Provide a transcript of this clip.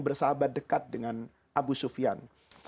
bersahabat dekat dengan abu sufian